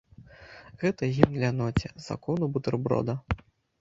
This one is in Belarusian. Гэта гімн ляноце, закону бутэрброда.